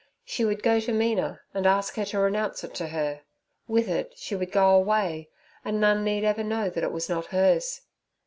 She would go to Mina, and ask her to renounce it to her; with it she would go away, and none need ever know that it was not hers.